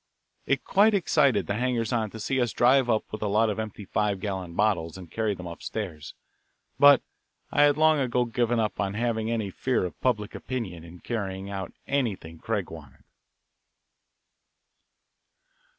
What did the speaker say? It quite excited the hangers on to see us drive up with a lot of empty five gallon bottles and carry them up stairs, but I had long ago given up having any fear of public opinion in carrying out anything Craig wanted.